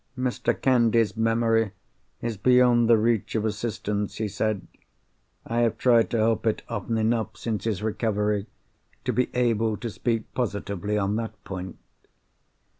"Mr. Candy's memory is beyond the reach of assistance," he said. "I have tried to help it often enough since his recovery, to be able to speak positively on that point."